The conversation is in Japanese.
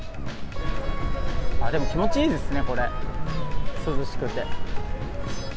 ああ、でも気持ちいいですね、これ、涼しくて。